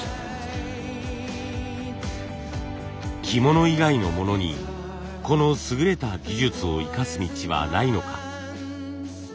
着物以外のものにこの優れた技術を生かす道はないのか。